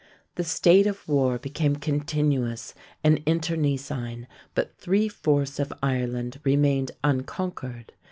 The state of war became continuous and internecine, but three fourths of Ireland remained unconquered.